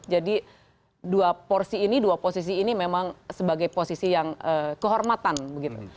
jadi dua porsi ini dua posisi ini memang sebagai posisi yang kehormatan begitu